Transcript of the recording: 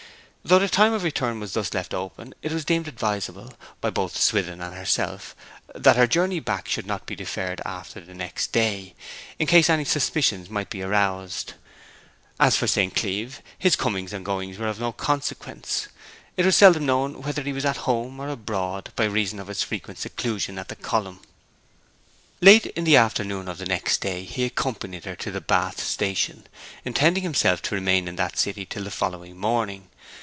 Though the time of return was thus left open it was deemed advisable, by both Swithin and herself, that her journey back should not be deferred after the next day, in case any suspicions might be aroused. As for St. Cleeve, his comings and goings were of no consequence. It was seldom known whether he was at home or abroad, by reason of his frequent seclusion at the column. Late in the afternoon of the next day he accompanied her to the Bath station, intending himself to remain in that city till the following morning.